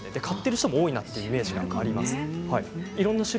買っている人も多いなというイメージがあります。